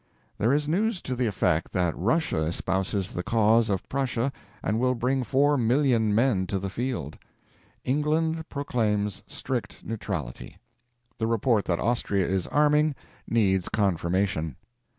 There is news to the effect that Russia espouses the cause of Prussia and will bring 4,000,000 men to the field. England proclaims strict neutrality. The report that Austria is arming needs confirmation.